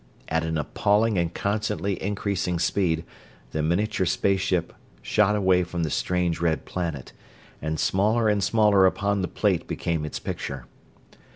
At an appalling and constantly increasing speed the miniature space ship shot away from the strange, red planet; and smaller and smaller upon the plate became its picture.